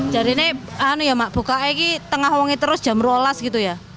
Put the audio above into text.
jadi ini mak buka ini tengah ulangnya terus jam rolas gitu ya